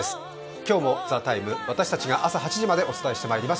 今日も「ＴＨＥＴＩＭＥ，」私たちが朝８時までお伝えしてまいります。